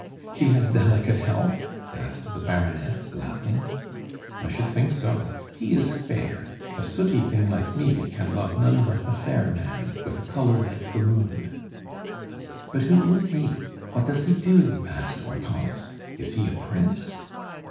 "He has delicate health?" asked the Baroness, laughing. "I should think so! He is fair. A sooty thing like me can love none but a fair man with a color like the moon." "But who is he? What does he do?" asked Hortense. "Is he a prince?"